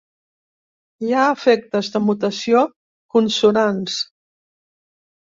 Hi ha efectes de mutació consonants.